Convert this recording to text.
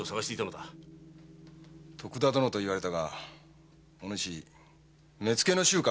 徳田殿と言われたがお主目付の衆か？